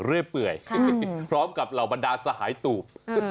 ค่ะครับพร้อมกับเหล่าบรรดาสหายตูบ